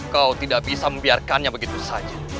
kau tidak bisa membiarkannya begitu saja